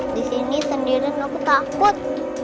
di sini sendirian aku takut